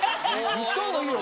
言った方がいいよ